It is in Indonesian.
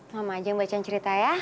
mama jangan baca cerita ya